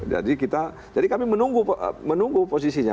jadi kita jadi kami menunggu posisinya